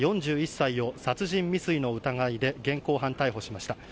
４１歳を殺人未遂の疑いで現行犯逮捕しました。